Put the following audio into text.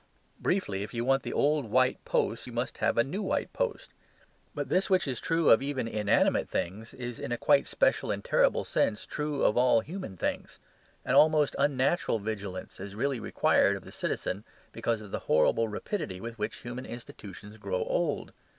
Briefly, if you want the old white post you must have a new white post. But this which is true even of inanimate things is in a quite special and terrible sense true of all human things. An almost unnatural vigilance is really required of the citizen because of the horrible rapidity with which human institutions grow old.